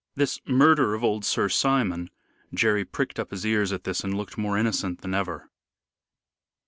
"This murder of old Sir Simon " Jerry pricked up his ears at this and looked more innocent than ever.